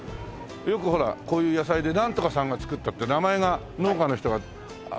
よくほらこういう野菜で「なんとかさんが作った」って名前が農家の人があるところもあるじゃない。